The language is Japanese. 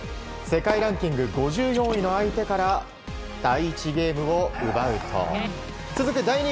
世界ランキング５４位の相手から第１ゲームを奪うと続く第２